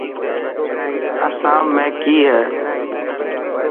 اسام ۾ ڪي هي.